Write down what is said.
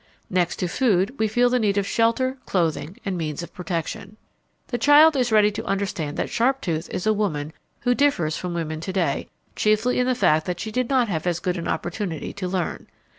Next to food we feel the need of shelter, clothing, and means of protection. The child is ready to understand that Sharptooth is a woman who differs from women to day chiefly in the fact that she did not have as good an opportunity to learn.